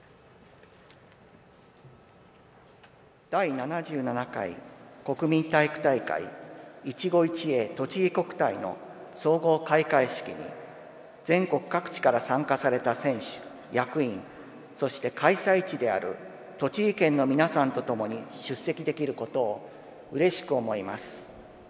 第７７回国民体育大会「いちご一会とちぎ国体」の総合開会式に全国各地から参加された選手、役員、そして開催地である栃木県の皆さんと共に出席できることをうれしく思います。